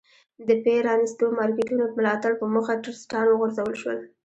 د پ رانیستو مارکېټونو ملاتړ په موخه ټرستان وغورځول شول.